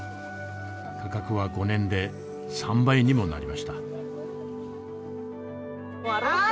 価格は５年で３倍にもなりました。